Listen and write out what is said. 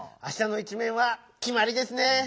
あしたの一めんはきまりですね。